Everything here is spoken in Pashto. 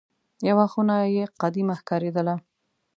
یوه خونه یې قدیمه ښکارېدله.